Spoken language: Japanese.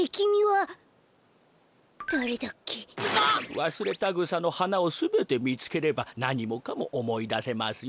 ワスレタグサのはなをすべてみつければなにもかもおもいだせますよ。